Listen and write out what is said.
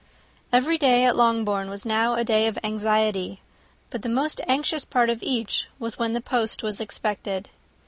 Every day at Longbourn was now a day of anxiety; but the most anxious part of each was when the post was expected.